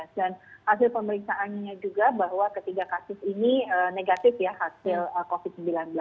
dan hasil pemeriksaannya juga bahwa ketiga kasus ini negatif ya hasil covid sembilan belas